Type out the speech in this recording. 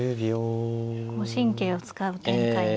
神経を使う展開に。